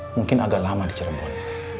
mungkin agak lama di cirebon